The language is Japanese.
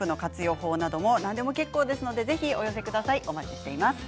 法など何でも結構ですのでお寄せください。